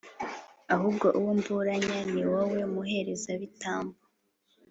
ahubwo uwo mburanya, ni wowe, muherezabitambo!